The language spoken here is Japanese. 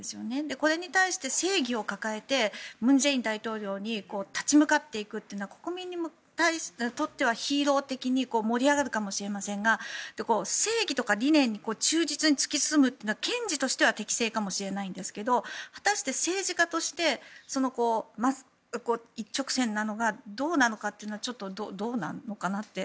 これに対して正義を掲げて文在寅大統領に立ち向かっていくというのは国民にとってはヒーロー的に盛り上がるかもしれませんが正義とか理念に忠実に突き進むというのは検事としては適正かもしれないんですが果たして政治家として一直線なのがどうなのかというのがどうなのかなって。